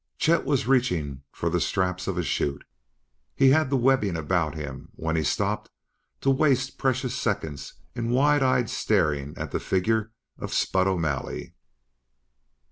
Chet was reaching for the straps of a 'chute. He had the webbing about him when he stopped to waste precious seconds in wide eyed staring at the figure of Spud O'Malley.